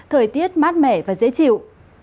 thời tiết mát mẻ và dễ chịu